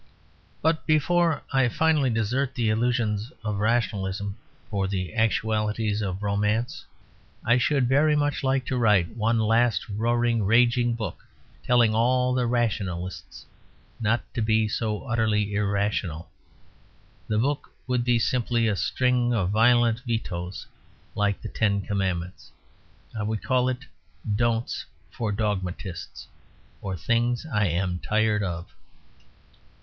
But before I finally desert the illusions of rationalism for the actualities of romance, I should very much like to write one last roaring, raging book telling all the rationalists not to be so utterly irrational. The book would be simply a string of violent vetoes, like the Ten Commandments. I would call it "Don'ts for Dogmatists; or Things I am Tired Of."